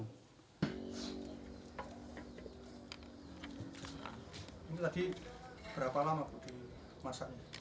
ini tadi berapa lama dimasak